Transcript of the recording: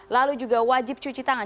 lalu juga wajib cuci tangan